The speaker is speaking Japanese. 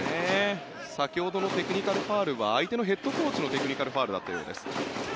先ほどのテクニカルファウルは相手のヘッドコーチのテクニカルファウルだったようです。